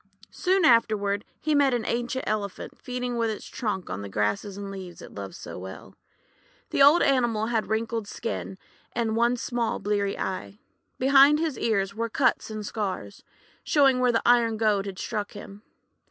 Soon afterward he met an ancient Elephant feeding with its trunk on the grasses and leaves it loves so well. The old animal had a wrinkled skin, and one small bleary eye. Behind his ears were cuts and scars, showing where the iron goad had struck him.